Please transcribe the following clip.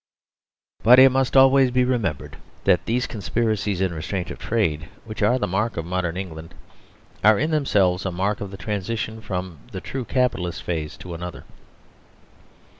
But it must always be remembered that these con spiracies in restraint of trade which are the mark of modern England are in themselves a mark of the transition from the true Capitalist phase to another.